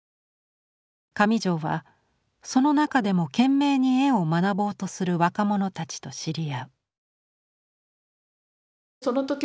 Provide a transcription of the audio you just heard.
上條はその中でも懸命に絵を学ぼうとする若者たちと知り合う。